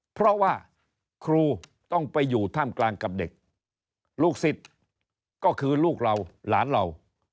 เพราะว่าครูต้องไปอยู่ท่ามกลางกับเด็กลูกศิษย์ก็คือลูกเราหลานเรา